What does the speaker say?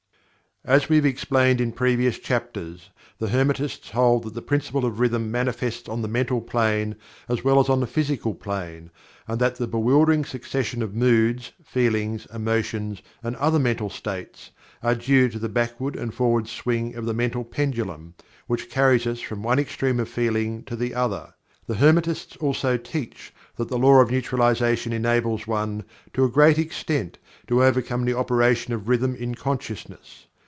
As we have explained in previous chapters, the Hermetists hold that the Principle of Rhythm manifests on the Mental Plane as well as on the Physical Plane, and that the bewildering succession of moods, feelings, emotions, and other mental states, are due to the backward and forward swing of the mental pendulum, which carries us from one extreme of feeling to the other. The Hermetists also teach that the Law of Neutralization enables one, to a great extent, to overcome the operation of Rhythm in consciousness.